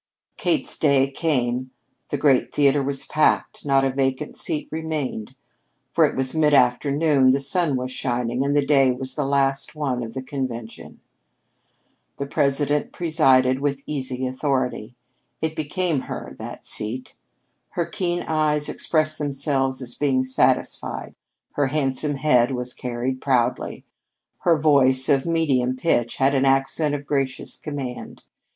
Kate's day came. The great theater was packed not a vacant seat remained. For it was mid afternoon, the sun was shining, and the day was the last one of the convention. The president presided with easy authority. It became her that seat. Her keen eyes expressed themselves as being satisfied; her handsome head was carried proudly. Her voice, of medium pitch, had an accent of gracious command.